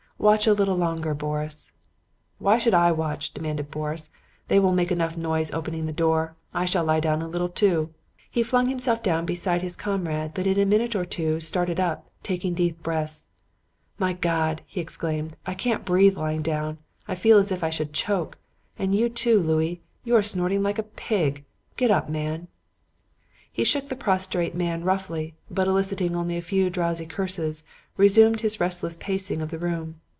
Watch a little longer, Boris.' "'Why should I watch?' demanded Boris. 'They will make enough noise opening that door. I shall lie down a little, too.' "He flung himself down beside his comrade, but in a minute or two started up, taking deep breaths. 'My God!' he exclaimed. 'I can't breathe lying down. I feel as if I should choke. And you, too, Louis; you are snorting like a pig. Get up, man.' "He shook the prostrate man roughly, but eliciting only a few drowsy curses, resumed his restless pacing of the room.